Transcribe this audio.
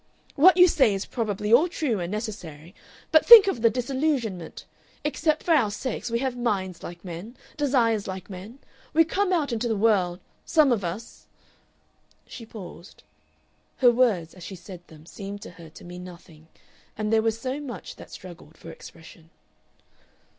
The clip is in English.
What you say is probably all true and necessary.... But think of the disillusionment! Except for our sex we have minds like men, desires like men. We come out into the world, some of us " She paused. Her words, as she said them, seemed to her to mean nothing, and there was so much that struggled for expression.